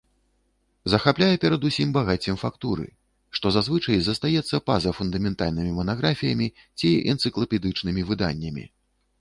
Захапляе перадусім багаццем фактуры, што зазвычай застаецца па-за фундаментальнымі манаграфіямі ці энцыклапедычнымі выданнямі.